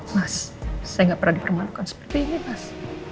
mas saya gak pernah dipermanfaatkan seperti ini mas